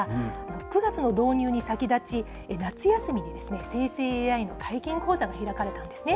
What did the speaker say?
９月の導入に先立ち夏休みにですね、生成ＡＩの体験講座が開かれたんですね。